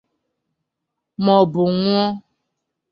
maọbụ nwụọ